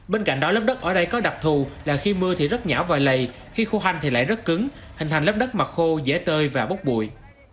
bên cạnh đó lớp đất ở đây có đặc thù là khi mưa thì rất nhảo và lầy khi khô hanh thì lại rất cứng hình thành lớp đất mặt khô dễ tơi và bốc bụi